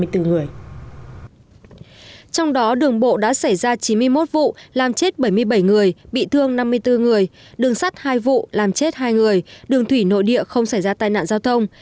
trong đó đường bộ đã xảy ra chín mươi một vụ làm chết bảy mươi bảy người bị thương năm mươi bốn người đường sắt hai vụ làm chết hai người đường thủy nội địa không xảy ra tai nạn giao thông